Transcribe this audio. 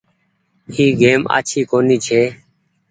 اي گئيم آڇي ڪونيٚ ڇي۔